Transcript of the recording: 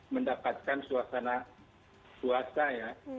mendapatkan suasana puasa ya